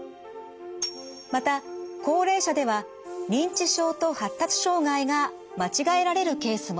また高齢者では認知症と発達障害が間違えられるケースも。